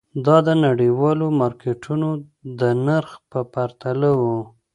دا د نړیوالو مارکېټونو د نرخ په پرتله وو.